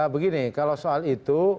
begini kalau soal itu